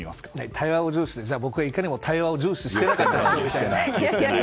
対話を重視って僕がいかにも対話を重視してなかった市長みたいな。